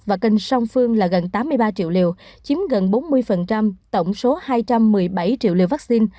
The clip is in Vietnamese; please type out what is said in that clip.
và kênh song phương là gần tám mươi ba triệu liều chiếm gần bốn mươi tổng số hai trăm một mươi bảy triệu liều vaccine